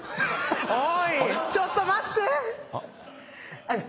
おいちょっと待って！